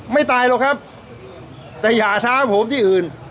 ตายหรอกครับแต่อย่าช้าผมที่อื่น